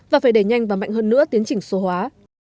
và phải đẩy nhanh và mạnh hơn nữa tiến trình số hóa